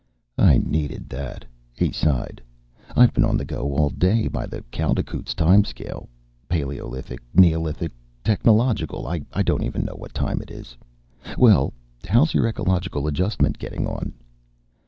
"I needed that," he sighed. "I've been on the go all day, by the Kaldekooz time scale. Paleolithic, Neolithic, Technological I don't even know what time it is. Well, how's your ecological adjustment getting on?"